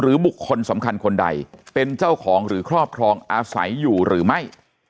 บุคคลสำคัญคนใดเป็นเจ้าของหรือครอบครองอาศัยอยู่หรือไม่